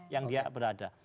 yang dia berada